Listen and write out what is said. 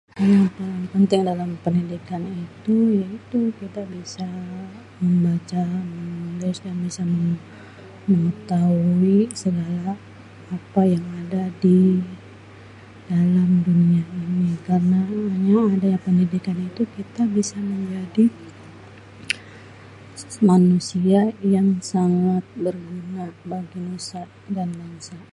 yang penting dalam pendidikan itu.. ya itu kita bisa membaca, menulis, bisa mengetahui segala apa yang ada di dalam dunia ini.. karena dengan adanyê pendidikan itu kita bisa menjadi manusia yang sangat berguna bagi nusa dan bangsa..